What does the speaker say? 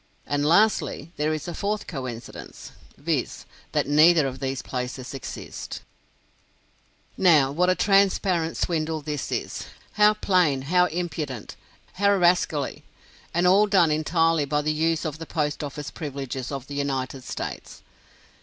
And lastly, there is a fourth coincidence, viz., that neither of these places exists. Now, what a transparent swindle this is! how plain, how impudent, how rascally! And all done entirely by the use of the Post Office privileges of the United States.